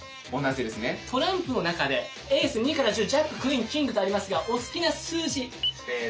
トランプの中でエース２から１０ジャッククイーンキングとありますがお好きな数字。